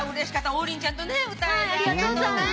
王林ちゃんとね、ありがとうございました。